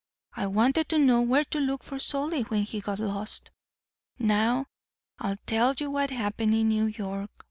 I wanted to know where to look for Solly when he got lost. "Now I'll tell you what happened in New York.